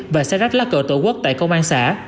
và xe rách lá cờ tổ quốc tại công an xã